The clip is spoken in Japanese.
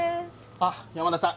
あっ山田さん